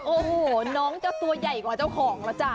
โอ้โหน้องจะตัวใหญ่กว่าเจ้าของแล้วจ้ะ